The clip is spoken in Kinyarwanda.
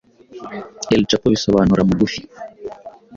"El Chapo bisobanura "mugufi"